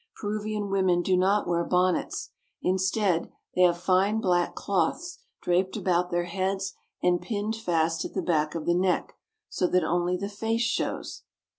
Peruvian women do not wear bonnets. Instead, they have fine black cloths draped about their heads and pinned fast at the back of the neck, so that only the face shows.